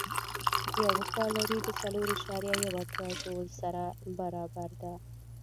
یوه کالوري د څلور اعشاریه یو اتیا ژول سره برابره ده.